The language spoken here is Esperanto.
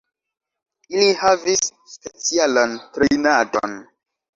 Ili havis specialan trejnadon.